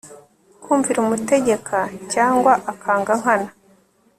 kumvira umutegeka cyangwa akanga nkana